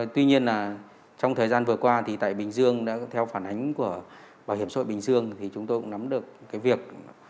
tuy nhiên là trong thời gian vừa qua thì tại bình dương đã theo phản ánh của bảo hiểm xã hội bình dương thì chúng tôi cũng nắm được cái việc